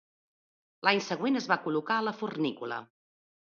L'any següent es va col·locar a la fornícula.